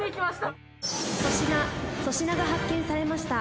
粗品粗品が発見されました。